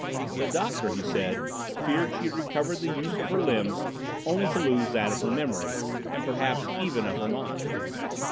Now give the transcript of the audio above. The doctor, he said, feared she had recovered the use of her limbs, only to lose that of her memory, and perhaps even of her mind.